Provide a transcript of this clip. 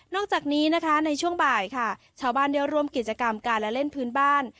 จากนี้นะคะในช่วงบ่ายค่ะชาวบ้านได้ร่วมกิจกรรมการละเล่นพื้นบ้าน